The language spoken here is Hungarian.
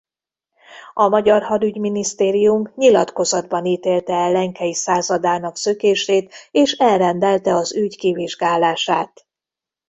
A magyar hadügyminisztérium nyilatkozatban ítélte el Lenkey századának szökését és elrendelte az ügy kivizsgálását.